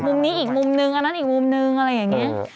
มุมนี้อีกมุมนึงอันนั้นอีกมุมนึงอะไรอย่างนี้